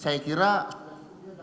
sampai sejauh mana